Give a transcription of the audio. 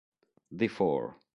The Four